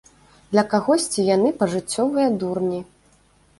Для кагосьці яны пажыццёвыя дурні.